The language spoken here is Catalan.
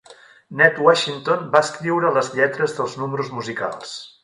Ned Washington va escriure les lletres dels números musicals.